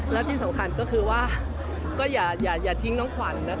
แล้วที่สำคัญก็คือว่าก็อย่าทิ้งน้องขวัญนะ